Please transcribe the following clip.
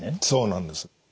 そうなんです。